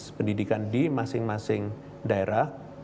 dan dinas pendidikan di masing masing daerah